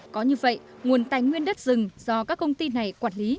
có như vậy nguồn tài nguyên đất rừng do các công ty này quản lý